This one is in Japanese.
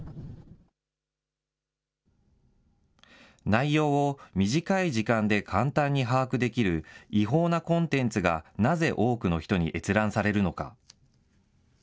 内容を短い時間で簡単に把握できる違法なコンテンツがなぜ多くの人に閲覧されるのか。